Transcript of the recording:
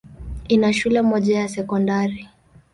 Ina shule moja ya sekondari.